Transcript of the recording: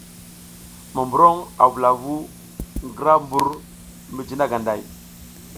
Monburoŋ, a vula vu ngra mbur mijina ganday.